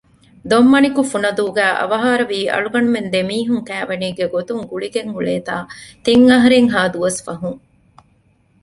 ދޮންމަނިކު ފުނަދޫގައި އަވަހާރަވީ އަޅުގަނޑުމެން ދެ މީހުން ކައިވެނީގެ ގޮތުން ގުޅިގެން އުޅޭތާ ތިން އަހަރެއްހާ ދުވަސް ފަހުން